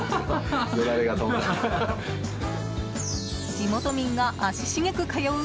地元民が足しげく通う